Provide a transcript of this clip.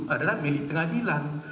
adalah milik pengadilan